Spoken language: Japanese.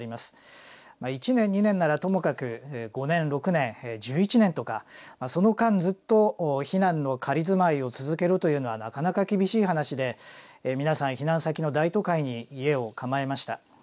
１年２年ならともかく５年６年１１年とかその間ずっと避難の仮住まいを続けろというのはなかなか厳しい話で皆さん避難先の大都会に家を構えました。